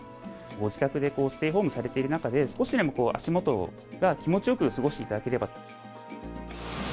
ご自宅でステイホームされている中で、少しでも足元が気持ちよく過ごしていただければと。